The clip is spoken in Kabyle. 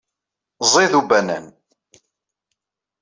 Ẓid ubanan.